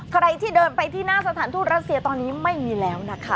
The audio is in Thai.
ใครที่เดินไปที่หน้าสถานทูตรัสเซียตอนนี้ไม่มีแล้วนะคะ